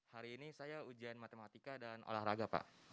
hari ini saya ujian matematika dan olahraga pak